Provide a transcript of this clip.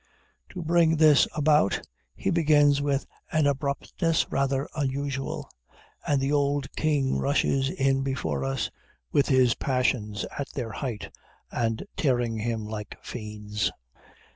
To bring this about, he begins with an abruptness rather unusual; and the old king rushes in before us, with his passions at their height, and tearing him like fiends.